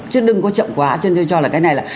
chứ đừng có chậm quá cho nên tôi cho là cái này là